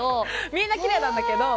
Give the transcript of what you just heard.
みんなきれいなんだけど。